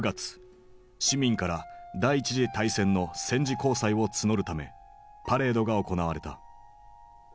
市民から第一次大戦の戦時公債を募るためパレードが行われた。